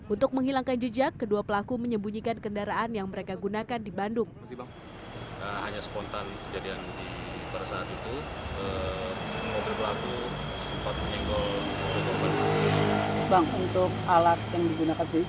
untuk menghilangkan jejak kedua pelaku menyembunyikan kendaraan yang mereka gunakan di bandung